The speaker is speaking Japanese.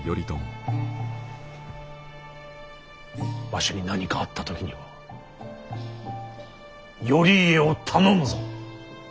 わしに何かあった時には頼家を頼むぞ。